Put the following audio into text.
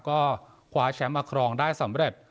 ก็คว้าแชมป์มาครองได้สำเร็จ